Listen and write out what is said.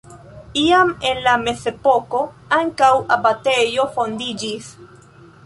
Iam en la mezepoko ankaŭ abatejo fondiĝis.